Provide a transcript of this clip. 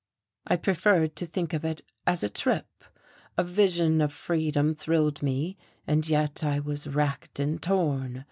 I preferred to think of it as a trip.... A vision of freedom thrilled me, and yet I was wracked and torn.